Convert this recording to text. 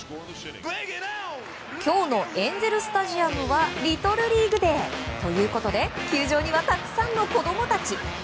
今日のエンゼル・スタジアムはリトルリーグデー。ということで、球場にはたくさんの子供たち。